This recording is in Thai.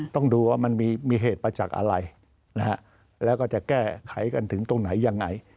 ต้องดูว่ามันมีเหตุประจักษ์อะไรแล้วก็จะแก้ไขกันถึงตรงไหนอย่างไร